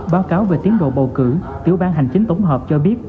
báo cáo về tiến độ bầu cử tiểu ban hành chính tổng hợp cho biết